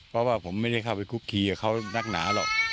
เพราะว่าผมไม่ได้เข้าไปคุกคีกับเขานักหนาหรอก